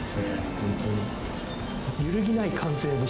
本当に。